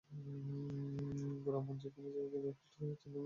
গোরা মন যে কোনো এক জায়গায় আকৃষ্ট হইয়াছে আনন্দময়ীর কাছে তাহা অগোচর ছিল না।